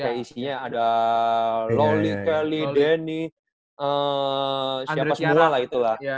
kayak isinya ada loli kelly deni siapa salah lah itulah